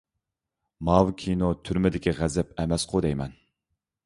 ماۋۇ كىنو «تۈرمىدىكى غەزەپ» ئەمەسقۇ دەيمەن.